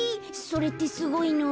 それってすごいの？